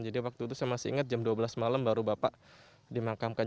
jadi waktu itu saya masih ingat jam dua belas malam baru bapak dimakamkan